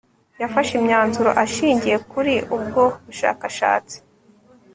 Yafashe imyanzuro ashingiye kuri ubwo bushakashatsi